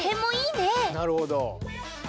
なるほど。